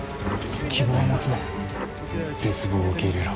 希望は持つな絶望を受け入れろ。